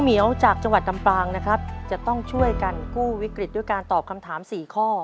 เหี่ยวจากจังหวัดลำปางนะครับจะต้องช่วยกันกู้วิกฤตด้วยการตอบคำถามสี่ข้อ